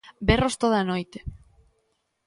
Berros toda a noite.